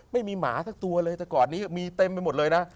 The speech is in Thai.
ไม่มีหมาสักตัวเลยแต่ก่อนนี้มีเต็มไปหมดเลยนะ